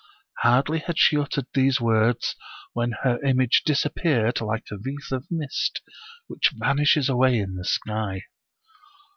"Hardly had she uttered these words when her image disappeared like a wreath of mist which vanishes away in the sky.